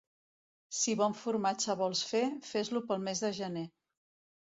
Si bon formatge vols fer, fes-lo pel mes de gener.